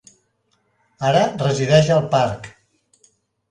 Ara resideix al parc.